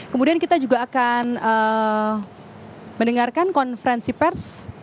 kemudian kita juga akan mendengarkan konferensi pers